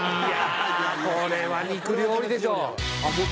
いやあこれは肉料理でしょ。